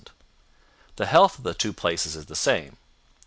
The health of the two places is the same.